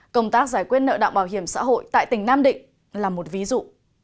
công tác giải quyết nợ động bảo hiểm xã hội tại tỉnh nam định là một ví dụ